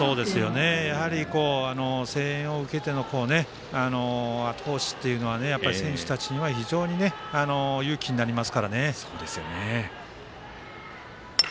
やはり声援を受けてのあと押しというのは選手たちには非常に勇気になりますからね。